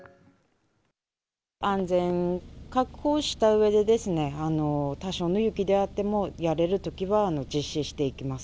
安全確保をしたうえで、多少の雪であっても、やれるときは実施していきます。